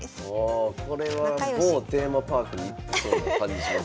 これは某テーマパークに行ってそうな感じしますもんね。